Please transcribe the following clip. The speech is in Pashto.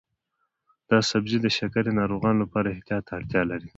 دا سبزی د شکرې ناروغانو لپاره احتیاط ته اړتیا لري.